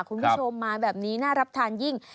คุณผู้ชมมาแบบนี้น่ารับทานยิ่ง